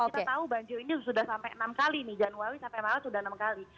kita tahu banjir ini sudah sampai enam kali nih januari sampai maret sudah enam kali